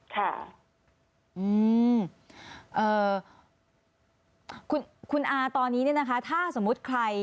ค่ะอืมคุณอาตอนนี้เนี่ยนะคะถ้าสมมุติใคร